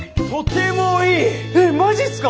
えっマジっすか！？